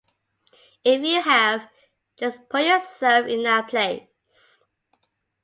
If you have, just put yourself in our place.